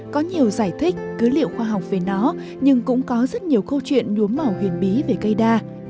có nhiều giải thích cứ liệu khoa học về nó nhưng cũng có rất nhiều câu chuyện nhuốm mỏ huyền bí về cây đa